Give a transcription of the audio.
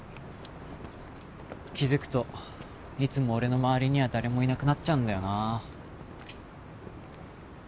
気づくといつも俺の周りには誰もいなくなっちゃうんだよなあ。